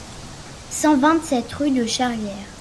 cent vingt-sept rue de Charrière